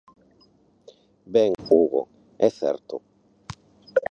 Ben, Hugo, é certo.